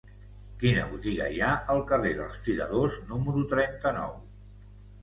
Quina botiga hi ha al carrer dels Tiradors número trenta-nou?